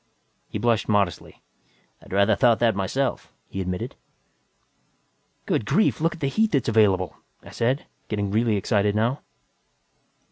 He blushed modestly. "I'd rather thought that myself," he admitted. "Good Lord, look at the heat that's available!" I said, getting really excited now.